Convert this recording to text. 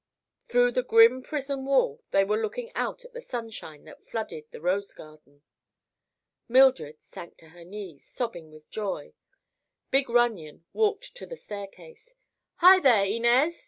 Through the grim prison wall they were looking out at the sunshine that flooded the rose garden. Mildred sank to her knees, sobbing with joy. Big Runyon walked to the staircase. "Hi, there, Inez!"